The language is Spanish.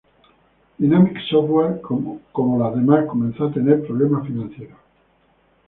Dinamic Software, como las demás, comenzó a tener problemas financieros.